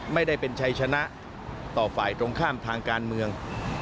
ไม่ได้เป็นชัยชนะต่อฝ่ายตรงข้ามทางการเมือง